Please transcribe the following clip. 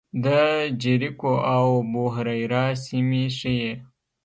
د جریکو او ابوهریره سیمې ښيي.